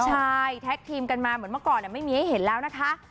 ใช่แท็กทีมกันมาเหมือนเมื่อก่อนไม่มีให้เห็นแล้วนะคะ